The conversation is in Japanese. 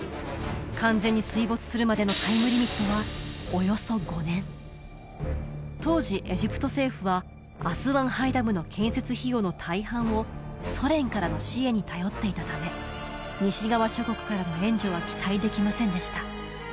完全に水没するまでのタイムリミットはおよそ５年当時エジプト政府はアスワン・ハイ・ダムの建設費用の大半をソ連からの支援に頼っていたため西側諸国からの援助は期待できませんでした